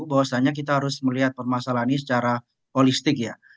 bahwasanya kita harus melihat permasalahan ini secara holistik ya